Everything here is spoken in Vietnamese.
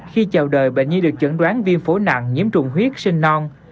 khi chào đời bệnh nhi được chẩn đoán viêm phổ nặng nhiếm trùng huyết sinh non